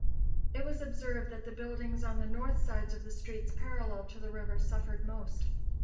It was observed that the buildings on the north sides of the streets parallel to the river suffered most.